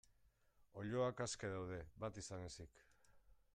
Oiloak aske daude, bat izan ezik.